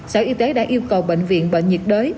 sở y tế đã yêu cầu bệnh viện bệnh nhiệt đới